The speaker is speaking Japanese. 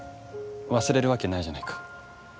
忘れるわけないじゃないか。